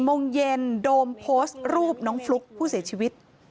โมงเย็นโดมโพสต์รูปน้องฟลุ๊กผู้เสียชีวิต